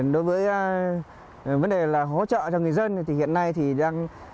đối với vấn đề là hỗ trợ cho người dân